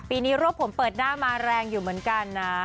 ปีนี้รวบผมเปิดหน้ามาแรงอยู่เหมือนกันนะ